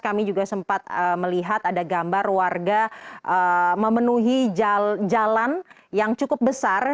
kami juga sempat melihat ada gambar warga memenuhi jalan yang cukup besar